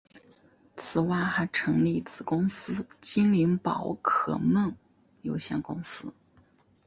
此外还成立子公司精灵宝可梦有限公司。